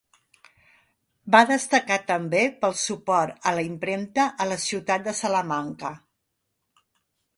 Va destacar també pel suport a la impremta a la ciutat de Salamanca.